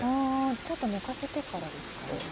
ちょっと寝かせてからですかね。